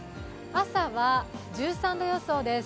朝は１３度予想です。